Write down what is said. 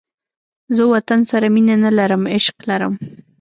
زه وطن سره مینه نه لرم، عشق لرم